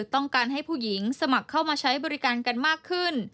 ต้องการให้ผู้หญิงสมัครเข้ามาใช้บริการกันมากขึ้น